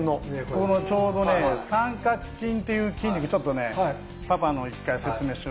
このちょうどね三角筋っていう筋肉ちょっとねパパの一回説明しましょうか。